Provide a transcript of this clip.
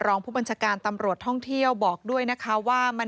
รองผู้บัญชาการตำรวจท่องเที่ยวบอกด้วยนะคะว่า